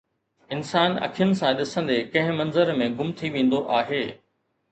انسان اکين سان ڏسندي ڪنهن منظر ۾ گم ٿي ويندو آهي.